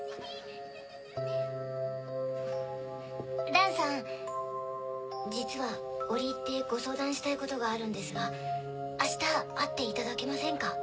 蘭さん実は折り入ってご相談したいことがあるんですが明日会っていただけませんか？